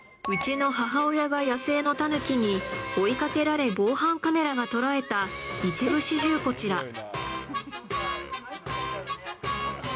うちの母親が野生のタヌキに追いかけられ、防犯カメラが捉えた一部始終、こちら。